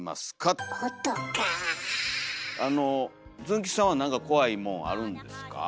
ズン吉さんは何か怖いもんあるんですか？